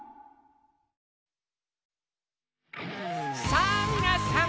さぁみなさん！